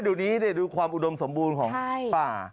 เดี๋ยวนี้ดูความอุดมสมบูรณ์ของป่า